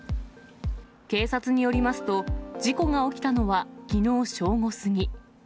警察によりますと、事故が起きたのはきのう正午過ぎ。